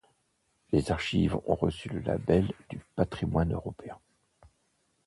Les Archives ont reçu le Label du patrimoine européen.